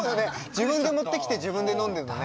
自分で持ってきて自分で飲んでるのね。